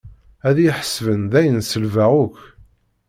Ad iyi-ḥesben dayen selbeɣ akk.